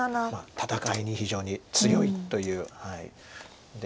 戦いに非常に強いという。